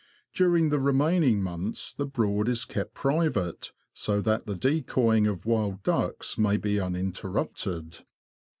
During the remain ing months the Broad is kept private, so that the decoying of wild ducks may be uninterrupted.